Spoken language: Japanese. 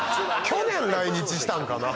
去年来日したんかな？